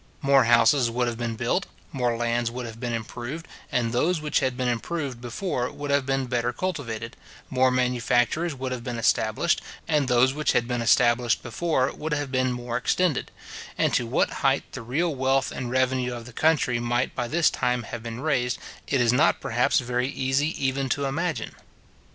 More houses would have been built, more lands would have been improved, and those which had been improved before would have been better cultivated; more manufactures would have been established, and those which had been established before would have been more extended; and to what height the real wealth and revenue of the country might by this time have been raised, it is not perhaps very easy even to imagine.